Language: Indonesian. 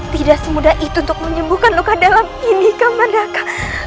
tidak semudah itu untuk menyembuhkan luka dalam ini kemandaka